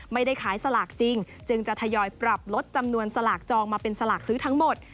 ไม่ได้ขายสลากจริงจึงจะทยอยปรับลดจำนวนสลากจองมาเป็นสลากซื้อทั้งหมด